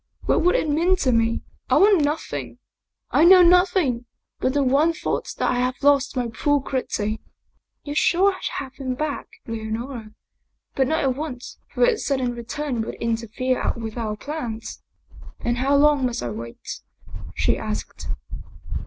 " What would it mean to me ? I want nothing I know nothing but the one thought that I have lost my poor Gritti !"" You shall have him back, Leonora. But not at once, for his sudden return would interfere with our plans." " And how long must I wait ?" she asked.